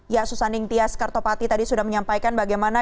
ya susan ingtyas kartopati tadi sudah menyampaikan bagaimana